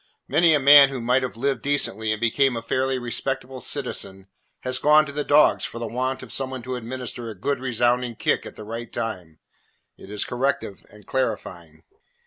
Many a man who might have lived decently and become a fairly respectable citizen has gone to the dogs for the want of some one to administer a good resounding kick at the right time. It is corrective and clarifying.